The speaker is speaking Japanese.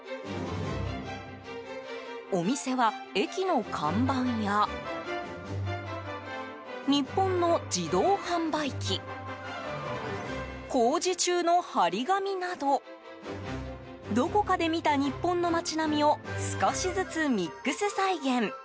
お店は、駅の看板や日本の自動販売機工事中の貼り紙などどこかで見た日本の街並みを少しずつミックス再現。